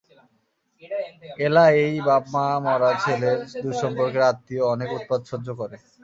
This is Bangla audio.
এলা এই বাপ-মা-মরা ছেলের দূরসম্পর্কের আত্মীয়, অনেক উৎপাত সহ্য করে।